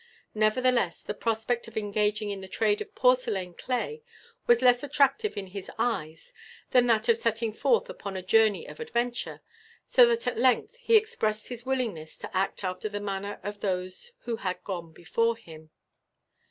Nevertheless, the prospect of engaging in the trade of porcelain clay was less attractive in his eyes than that of setting forth upon a journey of adventure, so that at length he expressed his willingness to act after the manner of those who had gone before him.